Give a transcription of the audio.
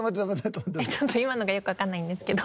ちょっと今のがよくわからないんですけど。